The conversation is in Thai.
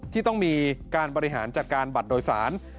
ที่ต้องมีการบริหารจัดการบัตรโดยสาร